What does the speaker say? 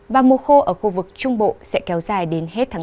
và mùa khô ở khu vực trung bộ sẽ kéo dài đến hết tháng bốn